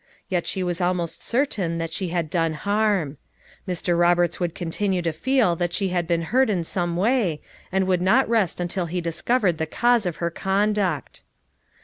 Yet she was almost certain that she had done harm. Mr. Roberts would continue to feel that she had been hurt in some way, and would not rest until he discovered the cause of her conduct.